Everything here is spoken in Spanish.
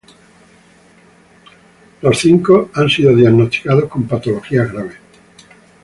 Los cinco han sido diagnosticados con patologías graves.